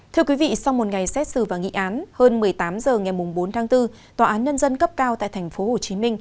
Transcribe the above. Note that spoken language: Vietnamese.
thưa quý vị sau một ngày xét xử và nghị án hơn một mươi tám h ngày bốn tháng bốn tòa án nhân dân cấp cao tại tp hcm